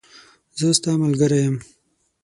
زه ستاملګری یم .